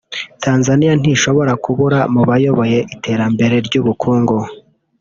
Tanzania ntishobora kubura mu bayoboye iterambere ry’ubukungu